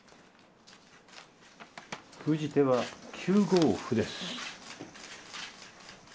封じ手は９５歩です。